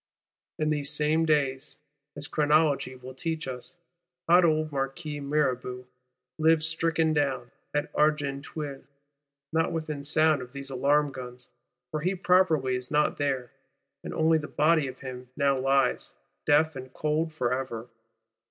In these same days, as Chronology will teach us, hot old Marquis Mirabeau lies stricken down, at Argenteuil,—not within sound of these alarm guns; for he properly is not there, and only the body of him now lies, deaf and cold forever.